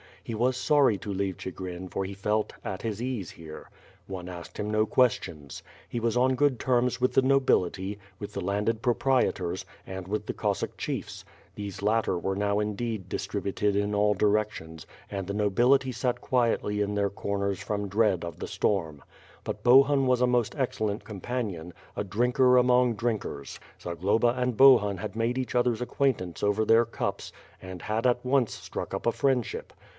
He was sorry to leave Chigrin for he felt at bis ease here. One asked him no questions. He was on 2i8 ^tTH FIRE A^D SWORD. good tenns with the nohiHty, with the landed proprietors, and with the Cossack chief*; these latter were now indeed dis trihuted in all directions, and the nobility sat quietly in their corners from dread of the stomi. }5ut liohun was a most excellent companon, a drinker amon^ drinkers. Zagloba and Bohun had made each other's acquaintance over their cups and had at once struck up a friendship.